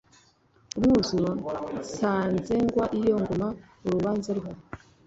Umwuzuro nzasengwa iyo ngoma urubanza ruhari